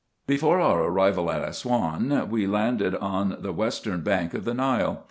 Before our arrival at Assouan, we landed on the western bank of the Nile.